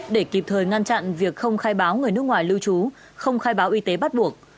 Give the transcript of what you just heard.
để kịp thời ngăn chặn việc không khai báo người nước ngoài lưu trú không khai báo y tế bắt buộc